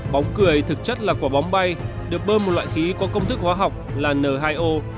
bóng cười thực chất là quả bóng bay được bơm một loại ký có công thức hóa học là n hai o